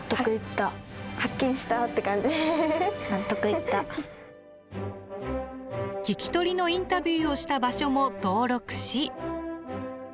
えっでもじゃあ聞き取りのインタビューをした場所も登録し。